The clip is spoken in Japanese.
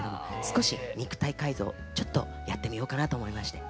少し肉体改造ちょっとやってみようかなと思いまして。